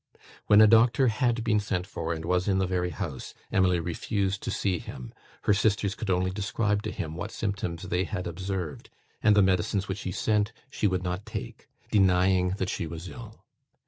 When a doctor had been sent for, and was in the very house, Emily refused to see him. Her sisters could only describe to him what symptoms they had observed; and the medicines which he sent she would not take, denying that she was ill.